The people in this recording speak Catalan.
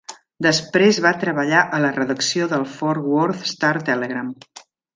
Després va treballar a la redacció del Fort Worth Star-Telegram.